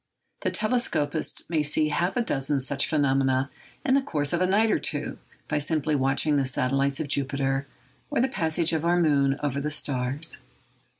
The telescopist may see half a dozen such phenomena in the course of a night or two, by simply watching the satellites of Jupiter, or the passage of our moon over the stars.